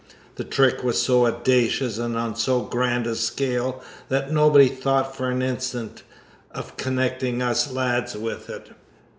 The trick was so audacious and on so grand a scale that nobody thought for an instant of connecting us lads with it.